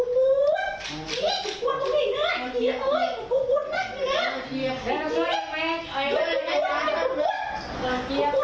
แน่ทางคุณเนี้ยคุณไทยไว้อยดูเนี้ยไงที่ไหนพี่อ้า